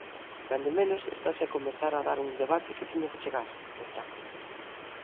"Cando menos estase a comezar a dar un debate que tiña que chegar", destaca.